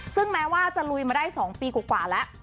ซึ่งแม้ว่าจะลุยมาได้๒ปีกว่าแล้ว